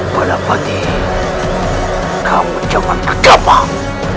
balapati kamu jangan kegapang